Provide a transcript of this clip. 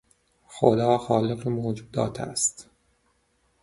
خدا خالق موجودات است